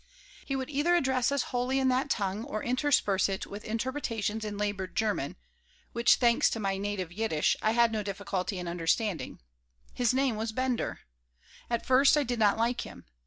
He would either address us wholly in that tongue, or intersperse it with interpretations in labored German, which, thanks to my native Yiddish, I had no difficulty in understanding. His name was Bender. At first I did not like him.